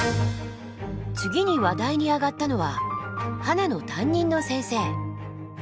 次に話題にあがったのはハナの担任の先生。